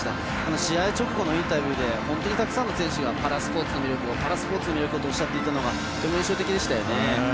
試合直後のインタビューで本当にたくさんの選手がパラスポーツの魅力とおっしゃっていたのがとても印象的でしたよね。